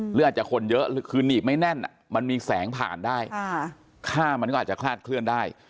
หรืออาจจะคนเยอะคือหนีบไม่แน่นมันมีแสงผ่านได้ค่ามันก็อาจจะคลาดเคลื่อนได้